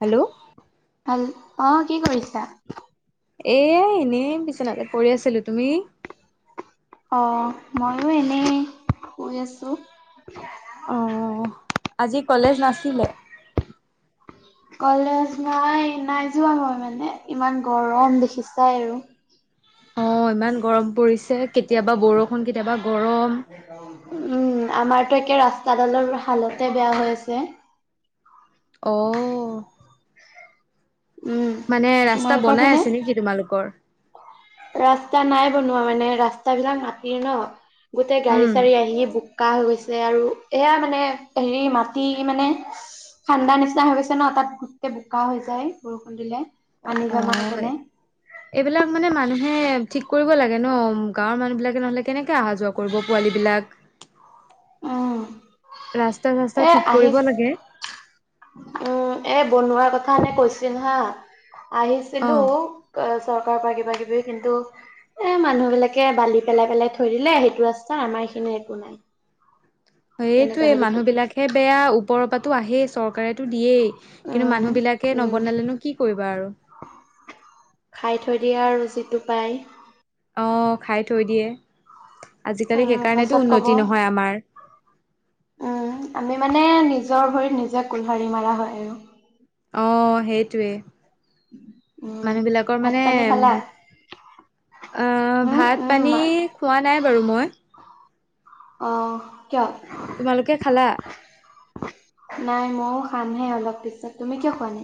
Hello, হম, অ কি কৰিছা? এ এনেই বিচনাতে পৰি আছিলো। তুমি? অ মইও এনেই শুই আছো। অঁ আজি কলেজ নাছিলে? কলেজ নাই, নাই যোৱা মই মানে ইমান গৰম দেখিছাই আৰু। অ ইমান গৰম পৰিছে, কেতিয়াবা বৰষুণ কেতিয়াবা গৰম। উম, আমাৰতো একে ৰাস্তাডালৰ হালতে বেয়া হৈ আছে। অঁ। উম, মানে ৰাস্তা তোমালোকৰ বনাই পিনে? আছে নেকি তোমালোকৰ? ৰাস্তা নাই বনোৱা মানে ৰাস্তা বিলাক মাটিৰ ন গোটেই গাড়ী উম চাডাৰী আহি বু বোকা হৈ গৈছে আৰু, এয়া মানে হেৰি মাটি মানে, ঠাণ্ডা নিচিনা হৈ গৈছে ন তাত গোটেই বোকা হৈ যায় বৰষুণ দিলে। পানী অ অ জমা হৈ কেনে এইবিলাক মানে মানুহ, হে ঠিক কৰিব লাগে ন, গাঁৱৰ মানুহ বিলাকে নহলে কেনেকে অহা যোৱা কৰিব পোৱালী বিলাক। উম। ৰাস্তা চাস্তা এ ঠিক আহিছ কৰিব লাগে। উম এ বনোৱা কথা কৈছিল হা, আহিছিলো অঁ চৰকাৰ কিব বা কিবি কিন্তু এ মানুহবিলাকে বালি পেলাই পেলাই থৈ দিলে সেইটো ৰাস্তাৰ আমাৰ এইখিনিৰ একো নাই। তেনেকুৱা এইটোৱে হৈ থাকিল মানুহবিলাকহে বেয়া ওপৰৰ পৰাটো আহেই চৰকাৰেটো দিয়েই। কিন্তু উম মানুহবিলাকে উম নবনালেনো কি কৰিবা আৰু। থ দয়া ৰু যিটো পায়। অ খাই থৈ দিয়ে আজিকালি উম সেইকাৰণেতো পাছত কব উন্নতি নহয় আমাৰ। উম আমি মানে নিজৰ ভৰিত নিজে কোলহাৰি মাৰা হয় আৰু। অহ সেইটোৱে উম মানুহ বিলাকৰ ভাত মানে পানী খালা অহ উম ভাত উম পানী মা খোৱা নাই বাৰু মই অ কিয় তোমালোকে খালা নাই ময়ো খামহে অলপ পিছত তুমি কিয় খোৱানে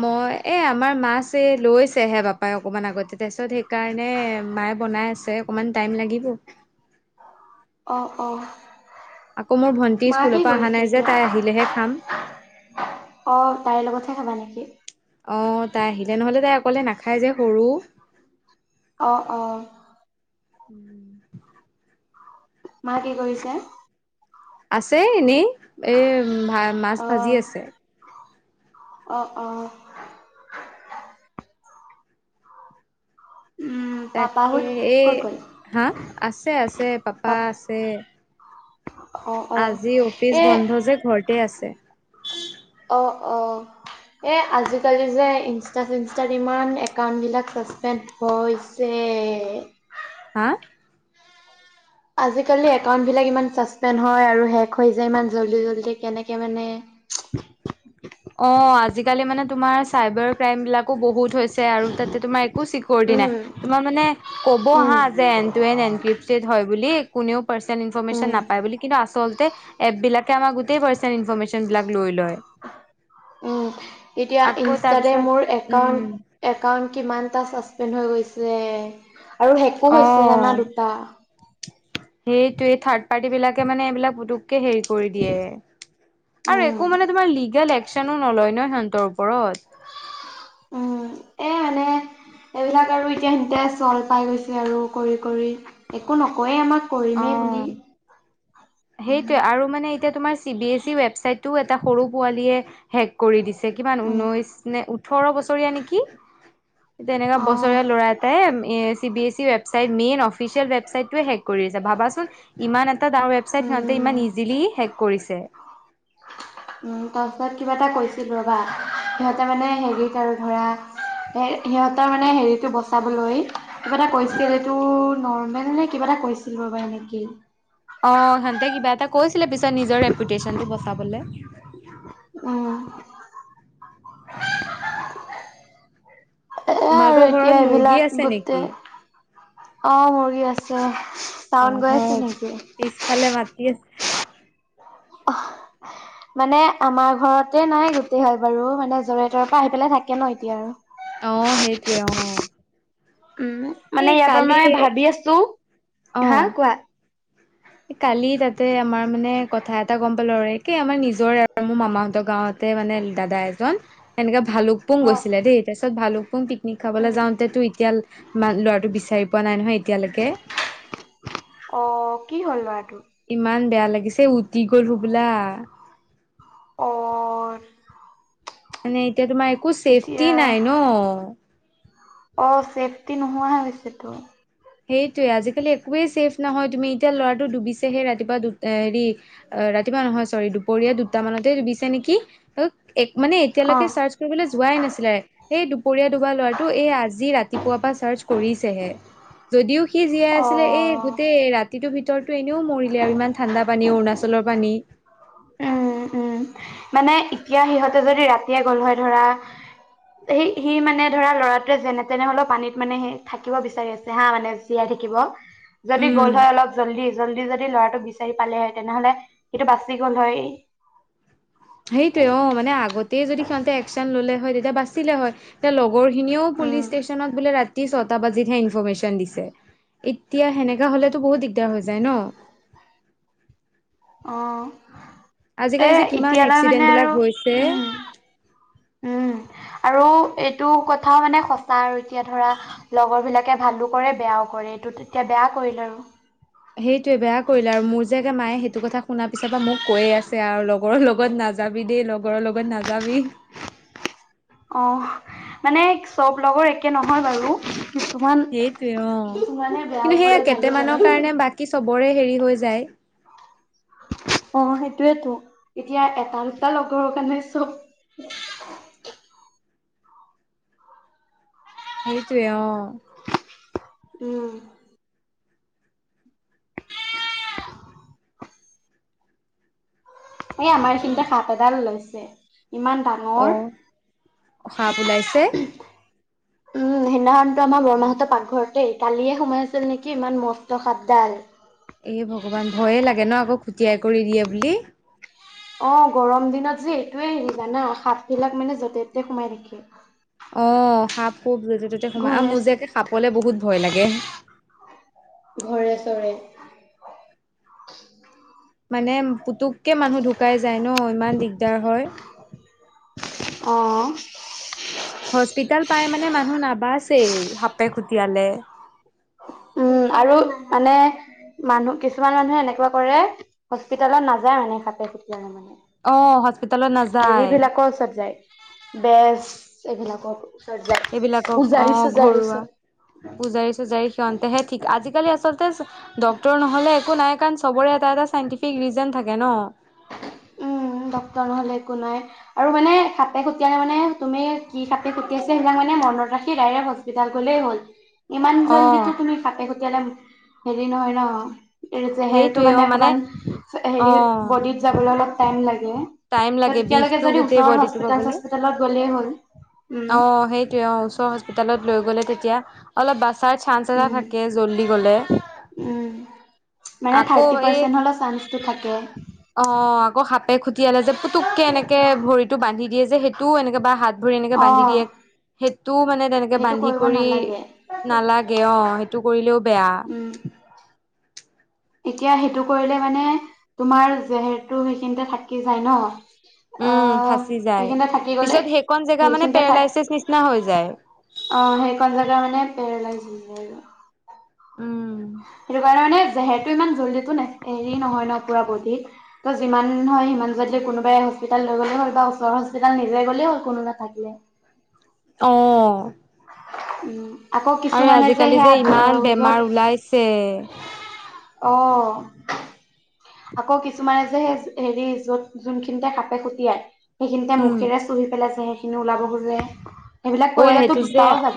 মই এ আমাৰ মাছে লৈছেহে বাপাই অকমান আগতে তাৰপিছত কাৰণে মায়ে বনাই আছে অকমান টাইম লাগিব। অঁ অ' আকৌ মোৰ ভন্টি মা কি স্কুলৰ পৰা আহা কৰিছে নাই যে এতিয়া তাই আহিলেহে খাম। অ তাইৰ লগতহে খাবা নেকি? অ তাই আহিলে নহলে তাই অকলে নাখায় যে সৰু। অহ। উম মা কি কৰিছে আছে এনেই এই ভা মাছ অ ভাজি আছে অ অ উম তাকে পাপাহত এই ক'ত গ'ল হা আছে আছে পাপা পাপ আছে অ অ আজি অফিচ এ বন্ধ যে ঘৰতে আছে অ এ আজিকালি যে ইনষ্টা চিনষ্টাত ইমান একাউন্ট বিলাক চাচপেণ্ড হৈছে উম হা আজিকালি একাউন্ট বিলাক ইমান চাচপেণ্ড হয় আৰু হেক হৈ যায় ইমান জল্দি জল্দি কেনেকে মানে [unintelligible] অ আজিকালি মানে তোমাৰ চাইবাৰ ক্ৰাইম বিলাকো বহুত হৈছে আৰু তাতে তোমাৰ একো চিকৰিটি উম নাই তোমাৰ মানে কব উম হা যে এনপেকিটেড হয় বুলি কোনেও পাৰ্চ ইেশচন উম নাপ বুলি কিন্তু আচলতে এ বিলাকে আমাৰ গোট ইনফৰমিছন বিলাক লৈ লয় এ আকৌ ইতে পে তাৰপিছত উম হৈ গৈছে আৰু হেকো অ হৈছে জানা দুটা সেইটোৱে থাৰ্ড পাৰ্টিবিলাকে মানে এইিলাক উম, নো নলয় ন সিহঁতৰ ওপৰত উম এ মানে এইবিলাক আৰু এতিয়া সেনেতে চল পাই গৈছে আৰু কৰি কৰি একো নকয়েই আমাক অ কৰিমেই বুলি উম, সেইটোৱে আৰু মানে এতিয়া তোমাৰ C B S E website টোও এটা সৰু পোৱালীয়ে হেক কৰি দিছে কিমান উম, ঊনৈশ নে ওঠৰ বছৰীয়া নেকি এয়া এনেকুৱা অ', বছৰেীয়া ল'ৰা এটাই এ C B S E website main official ৱেবচাইটোৱে হেক কৰি আছে ভাবাচোন ইমান এটা এটা ডৰ ৱেবছাইট সিহঁতে ইমান উম। ইজিলি হেক কৰিছে [unintelligible] তাৰপিছত কিবা এটা কৈছিল ৰবা সিহঁতে মানে হেৰিত আৰু ধৰা সিহঁতৰ মানে হেৰিতটো বচাবলৈ কিবা এটা কৈছিল এইটো নৰ্মেল নে কিবা এটা কৈছিল বাবা এনেকি অ সিহঁতে কিবা এটা কৈছিলে পিছত নিজৰ ৰেপুটেশচনটো বচাবলৈ উম এয়া আৰু তোমালোকৰ এতিয়া ঘৰত মুৰ্গী এইবিলাক আছে গোট নেকি? অ মুৰ্গী আছে চাউণ্ড অহ গৈ আছে নেকি? পিছফালে মাতি আছে [inaudible] মানে আমাৰ ঘৰতে নাই গোটেই, হয় বাৰু। মানে য'ৰে-তৰে পৰা আহি পেলাই থাকে ন এতিয়া আৰু। অ', সেইটোৱে অ'। উম, মানে এই ইয়াৰ পৰা কালি মই ভাবি অ আছোঁ। হা কোৱা। কালি তাতে আমাৰ মানে কথা এটা গম পালোঁ। আৰু একেই আমাৰ নিজৰে আৰু মোৰ মামাহঁতৰ গাঁৱতে মানে দাদা এজন সেনেকা ভালুকপুং অ', গৈছিলে দেই তাৰপিছত ভালুকপুং পিকনিক উম, খাবলৈ যাওঁতেো এতিয়া মান ল'ৰাটো বিচাৰি পোৱা নাই ন নহয় এতিয়ালৈকে অ কি হয় ইমান বেয়া লাগিছে উটি গল সো বোলা অ মানে এতিয়া তোমাৰ একো এতিয়া চছেফটি নাই ন অ', চেফটি নোহোৱাে হৈছেতো। সেইটোৱে। আজিকালি একোৱে ছেফ নহয়। তুমি, এতিয়া ল'ৰাটো ডুবিছেহে ৰাতিপুৱা দু হেৰি ৰাতিপুৱা নহয়, চৰি। দুপৰীয়া দুটা মানতেই ডুবিছে নেকি ত এক মানে অ এতিয়ালৈকে চাৰ্চ কৰিবলৈ যোৱাই নাছিলে। সেই দুপৰীয়া ডুবা ল'ৰাটো এই আজি ৰাতিপুৱা পৰা চাৰ্চ কৰিছেহে। যদিও সি জীয়াই অ আছিলে এই গোটেই ৰাতিটোৰ ভিতৰত টো এনেও মৰিলে আৰু। ইমান ঠাণ্ডা পানী, অৰুণাচলৰ পানী। উম উম, মানে এতিয়া সিহঁতে যদি ৰাতিয়ে গ'ল হয় ধৰা। সেই সি মানে ধৰা ল'ৰাটোৱে যেনে-তেনে হ'লেও পানীত মানে সি থাকিব বিচাৰি আছে হা। মানে জীয়াই থাকিব। যদি উম গ'ল হয় অলপ জল্দি জল্দি যদি ল'ৰাটোক বিচাৰি পালেহেঁতেন তেনেহ'লে সিটো বাচি গ'ল হয়। সেইটোৱে। অ', মানে আগতে যদি সিহঁতে একচন ল'লে হয় তেতিয়া বাচিলে হয় তে লগ ৰখিনিও পুলিচ উম ষ্টেচনত বোলে ৰাতি ছটা বাজিতহে ইনফৰমেশ্যন দিছে। এত তিয়া হেনেকা হ'লেতো বহুত দিগদাৰ হৈ যায় ন। অ', এ, আজিকালি যে কিমান এতিয়ালৈ এক্সিডেন্ট মানে বিলাক আৰু। হৈছে উম। উম। আৰু এইটো কথাও মানে সঁচা আৰু এতিয়া ধৰা লগৰবিলাকে ভালো কৰে বেয়াও কৰ কৰে। এইটো তেতিয়া বেয়া কৰিল আৰু। সেইটোৱে বেয়া কৰিলে আৰু মোৰ যে মায়ে সেইটো কথা শুনা পিছ্ আৰু পৰা মোক কৈয়ে আছে আৰু লগ লগৰৰ লগত নাযাবি দেই, লগৰৰ লগত নাযাবি। অ', মানে চব লগৰ একে নহয় বাৰু। কিছুমান, সেইটোৱে অ কিছুমানে বেয়াও কৰে ভালো কৰে। বৰে হেৰি হৈ যায়। অ', সেইটোৱেইটো। এতিয়া এটা-দুটা লগৰ কাৰণে চব [inaudible] সেইটোৱেই অহ। উম। এই আমাৰ এইখিনিতে সাপ এডাল ওলাইছে। ইমান অ ডাঙৰ। সাপ ওলাইছে উম, সিদনাখনটো আমাৰ বৰমাহঁতৰ পাকঘৰতেই, কালিয়ে সোমাই আছিল নেকি ইমান মস্ত সাপডাল। এ, ভগৱান! ভয়ে লাগে ন আকৌ খুটিয়াই কৰি দিয়ে বুলি। অ', গৰম দিনত যে এইটোৱেই হেৰি জানা, সাপবিলাক মানে য'তে-ত'তে সোমাই থাকে। অ', সাপ-সোপ য'তে-ত'তে সোমায়। আৰু ঘৰে মোৰ যে একে সাপলে বহুত ভয় লাগে। ঘৰে-চৰে। মানে পুতুককে মানুহ ঢুকাই যায় ন ইমান দিগদাৰ হয়। অহ। হস্পিতাল পাই মানে মানুহ নাবাছেই সাপে খুটিয়ালে। উম, আৰু মানে মানুহ, কিছুমান মানুহে এনেকুৱা কৰে হস্পিতালত নাযায় মানে খাপে খুতিলে মানে। অ হস্পিতালত নাযায় হেৰিবিলাকৰ ওচৰত যায়, বেজ এইবিলাকৰ। ওচৰত যায়, এইবিলাকক অ পূজাৰী সুজাৰী ওচৰত। সিহতেহে ঠিক, আজিকালি আচলত ডক্তৰ নহ'লে একো নাই কাৰণ চবৰে এটা এটা চাইন্টিফিক ৰিজন থাকে ন। উম। উম, ডক্তৰ নহ'লে একো নাই। আৰু মানে সাপে খুটিয়ালে মানে তুমি কি সাপে খুটিয়াইছে সেয়া মানে মনত ৰাখি ডাইৰেক্ট হস্পিতাল গ'লেই হ'ল। ইমান অ জল্দিটো তুমি খাপে খুটিয়ালে হেৰি নহয় ন। জেহেৰটো সেইটোৱে অ মানে অকমান হেৰি, অ বডিত যাবলৈ অলপ টাইম লাগ টাইম লাগে তেতিয়ালৈকে বিষটো যদি গোটেই ওচৰৰ বডিটো হস্পিতেল পাবলে। চস্পিতেলত গ'লেই হ'ল। উম, অ' সেইটোযৱে অ ওচৰত হস্পিতালত লৈ গ'লে তেতিয়া অলপ বাচ ছাৰ চানচ এটা উম, থাকে জল্দি গলে। উম, মানে আকৌ থাৰ্টি এই, পাৰ্চেন্ট হ'লেও চান্সটো থাকে। অৱ আকৌ হাত পে খুটিয়ালে যে পুটোককে এনেকে ভৰিটো বান্ধি দিয়ে যে সেইটোও এনেকে বা হাত ভৰি এনেকে বান্ধি বান্ধি অ', দিয়ে, সেইটোও মানে তেনেকে সেইটো বান্ধি কৰিব কৰি নালাগে নালাগে অ সেইটো কৰিলেও বেয়া। উম। এতিয়া সেইটো কৰিলে মানে তোমাৰ জেহেৰটো সেইখিনিতে থাকি যায় ন। উম অহ, ফাঁচি যায়। সেইখিনিতে থাকি গলে, পিছত সেইকণ জেগা মানে সেইখিনিতে থাক পেৰালাইচিছ অৱ', নিচিনা হৈ যায় সেইখন জেগা মানে পেৰালাইজ হৈ যায়। উম। জহেৰটো ইমান জল্দিটো হেৰি নহয় ন পুৰা বদিত, ত' যিমান হয় সিমান জল্দি কোনোবাই হস্পিতেল লৈ গ'লেই হ'ল বাও ওচৰৰ হস্পিতাল নিজে গ'লেই হ'ল কোনো নাথাকিলে। অৱ। উম, আকৌ কিছুমানে যে সেইয়া আ য'ত তে' অহ। আকৌ কিছুমানে যে সেই হেৰি য'ত যোনখিনিতে খাপে খুটিয়াই সেইখিনিতে উম, মুখেৰে চুহি পেলাই যে জেহেৰখিনি ওলাব খোজে। সেইবিলাক অ আই কৰিলেতো সেইটোযে, দুটাও যাব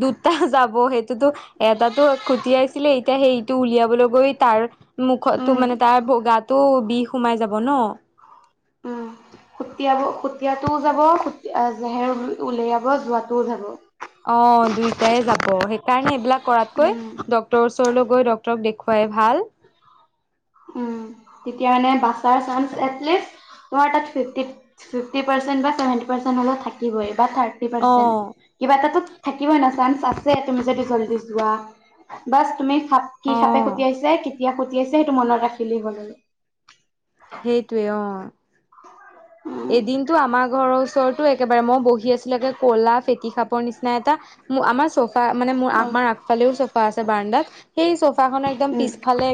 দুটা যাব সে টো এটাতো খুটিয়াইছিলে, এতিয়া সেই ইটো উলিয়াবলৈ গৈ তাৰ মুখতো উম মানে তাৰ গাটো বিষ সোমাই যাব ন। উম। খুটিয়াব খুটিয়াতটোও যাব, জেহেৰ উলিয়াব যোৱাটোও যাব। অৱ', দুইটাই যাব, সেইকাৰণে এইবিলাক কৰাতকৈ উম ডক্টৰৰ ওচৰলৈ গৈ ডক্তৰ ডক্টৰক দেখুৱাই ভাল। উম তেতিয়া মানে বাচাৰ চানস এটলিষ্ট তোমাৰ তাত ফিফটি-ফিফটি পাৰ্চেন্ত বা ছেভেনটি পৰ্চেন্ত হলো থাকিবই। বা থাৰ্টি পাৰ্চেণ্ট। অ', কিবা এটা টো থাকিবই ন চাঞ্চ আছে তুমি যদি জল্দি যোৱা বাছ তুমি সাপ কি সাপে খুতি অ' আহি কেতিয়া খুটি আছে সেইটো মনত ৰাখিলেই হ'ল আৰু। সেইটোৱে উম, অ। এদিনটো আমাৰ ঘৰৰ ওচৰতো একে বাৰে মই বহি আছিলোঁ একে ক'লা ফেটি সাঁপৰ নিচিনা এটা আমাৰ চ ফা মানে মোৰ অ', আমাৰ আগফালেও চফা আছে বাৰা্নদাত সেই চোফা খন একদম উম, পিছফালেে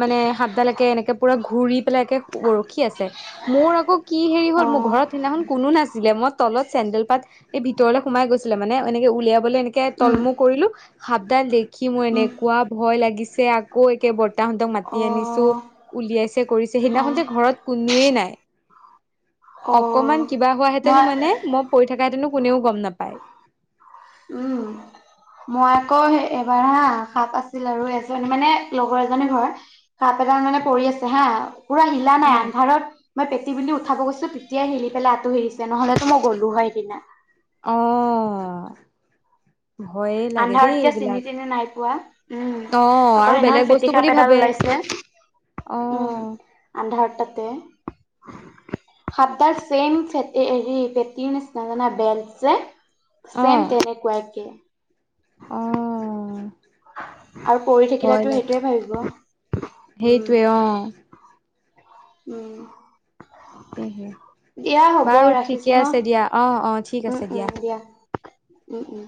মানে এ সাপ দালকে এনেকে পোৰা ঘূৰি পেলাই ৰখি আছে মোৰ আকৌ কি হেৰি হ'ল মোৰ অ', ঘৰত সিদিনাখন কোনো নাছিলে মই তলত চেন্দেল পাত এই ভিতৰলে সমাই গৈছিলে মানে এনেকে উলিয়া বলে এনেকে তল উম, মূৰ কৰিলো সাপডাল দেখি মোৰ উম, এনেকুৱা ভয় লাগিছে আকৌ একে বৰ্তাহঁতক মাতি আনিছো অ', উলিয়াইছে কৰিছে সেইদিনাখন অ', যে ঘৰত কোনোৱে নাই। অকমান অ', কিবা মই হোৱাহেঁতেনো মানে মই পঢ়ি থাকাহেঁতেনো কোনেও গম নাপায়। উম। মই আকৌ এবাৰ হা সাপ আছিল আৰু এজনী মানে লগৰ এজনী ঘৰ, সাপ ডাল মানে পৰি আছে হা। পুৰা হিলা নাই আন্ধাৰত মই পেটী বুলি উঠাব গৈছোঁ তেতিয়াই হিলি পেলাই আতঁৰি আহিছ ছে তেনেহ'লেতো মই গ'লো হয় সেইদিনা। অ'। ভয়ে লাগে দেই আন্ধাৰত এতিয়া চিনি এইবিলাক। তিনি নাই পোৱা উম অ', আকৌ আৰু বেলেগ সেইদিনাখন বস্তু ফেটি বুলি সাঁপ এডাল ভাবে ওলাইছে। উম অ', আন্ধাৰত তাতে। সাপডাল চেম ফেঁটী হেৰি পেটি নিচিনা বেল্ট যে চেম তেনেকোৱা একেই। অহ। আৰু পৰি থাকিলেটো সেইটোয়ে ভাবিব ন। সেইটোৱে অ। উম। কেহে। দিয়া হ'ব বাৰু ৰাখিছো ঠিকে ন আছে দিয়া, অ', অ', ঠিক উম আছে উম দিয়া। উম, উম।